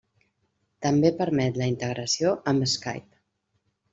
També permet la integració amb Skype.